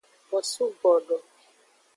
Bosu godo.